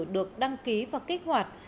được đăng ký và kích hoạt